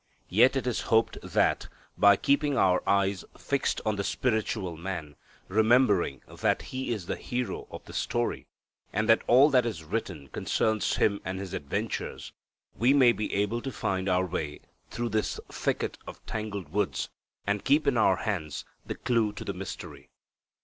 Yet it is hoped that, by keeping our eyes fixed on the spiritual man, remembering that he is the hero of the story, and that all that is written concerns him and his adventures, we may be able to find our way through this thicket of tangled words, and keep in our hands the clue to the mystery.